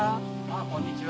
あこんにちは。